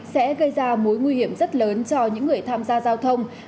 sẽ gây ra mối nguy hiểm rất lớn cho những người tham gia giao thông